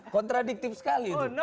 kontradiktif sekali itu